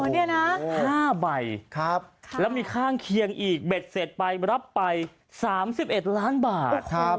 นี่นะ๕ใบแล้วมีข้างเคียงอีกเบ็ดเสร็จไปรับไป๓๑ล้านบาท